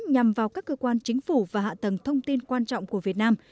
nhằm vào các cơ quan chính phủ và hạ tầng thông tin quan trọng của việt nam